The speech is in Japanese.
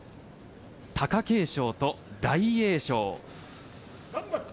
貴景勝と大栄翔。